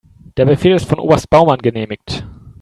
Der Befehl ist von Oberst Baumann genehmigt.